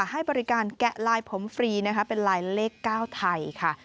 ให้บริการแกะลายผมฟรีนะคะเป็นลายเลข๙ไทยค่ะ